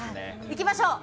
いきましょう！